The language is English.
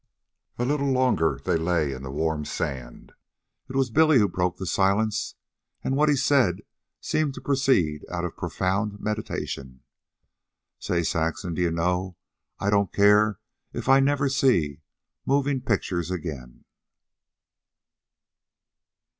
A little longer they lay in the warm sand. It was Billy who broke the silence, and what he said seemed to proceed out of profound meditation. "Say, Saxon, d'ye know I don't care if I never see movie pictures again."